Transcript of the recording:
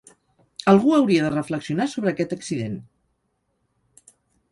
Algú hauria de reflexionar sobre aquest accident.